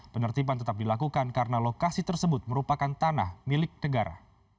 penertiban tetap dilakukan karena lokasi tersebut merupakan tanah milik negara